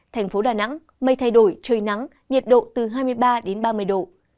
thành phố đà nẵng mây thay đổi trời nắng nhiệt độ từ hai mươi ba đến ba mươi độ